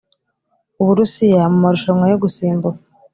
uburusiya mu marushanwa yo gusimbuka